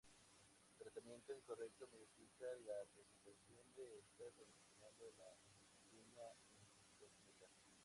Su tratamiento incorrecto modifica la presentación de estas originando la tiña incógnita.